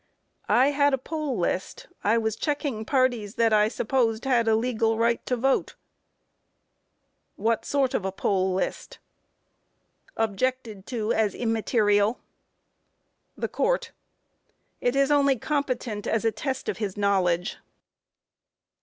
A. I had a poll list; I was checking parties that I supposed had a legal right to vote. Q. What sort of a poll list? Objected to as immaterial. THE COURT: It is only competent as a test of his knowledge.